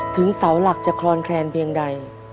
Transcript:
เสาหลักจะคลอนแคลนเพียงใด